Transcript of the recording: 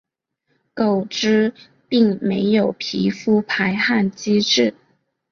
狗只并没有皮肤排汗机制。